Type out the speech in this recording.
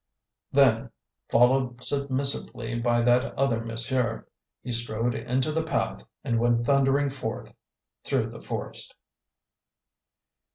Then, followed submissively by "that other monsieur," he strode into the path and went thundering forth through the forest.